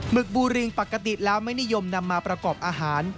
ึกบูริงปกติแล้วไม่นิยมนำมาประกอบอาหาร